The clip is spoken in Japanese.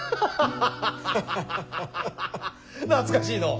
懐かしいのう！